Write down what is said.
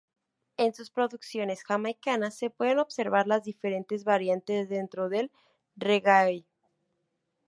En sus producciones jamaicanas se pueden observar las diferentes variantes dentro del reggae.